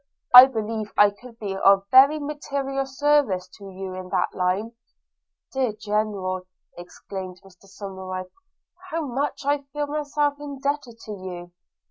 – I believe I could be of very material service to you in that line.' 'Dear General,' exclaimed Somerive, 'how much I feel myself indebted to you!